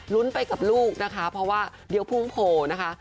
ไปกับลูกนะคะเพราะว่าเดี๋ยวพุ่งโผล่นะคะ